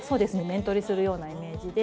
面取りするようなイメージで。